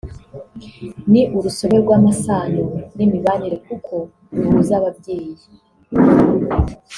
ni urusobe rw’amasano n’imibanire kuko ruhuza ababyeyi